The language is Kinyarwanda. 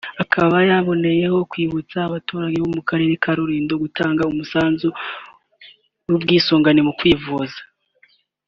Akaba yanaboneyeho kwibutsa abaturage bo mu karere ka Rulindo gutanga umusanzu w’ubwisungane mu kwivuza